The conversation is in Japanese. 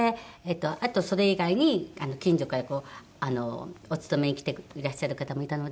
あとそれ以外に近所からお勤めに来ていらっしゃる方もいたので。